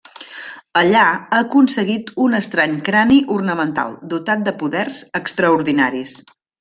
Allà, ha aconseguit un estrany crani ornamental, dotat de poders extraordinaris.